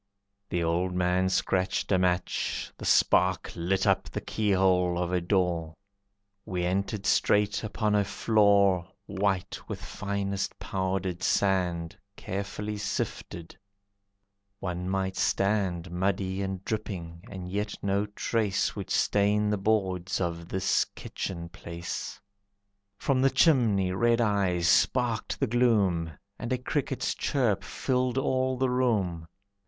The old man scratched a match, the spark Lit up the keyhole of a door, We entered straight upon a floor White with finest powdered sand Carefully sifted, one might stand Muddy and dripping, and yet no trace Would stain the boards of this kitchen place. From the chimney, red eyes sparked the gloom, And a cricket's chirp filled all the room.